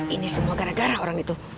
ini semua gara gara orang itu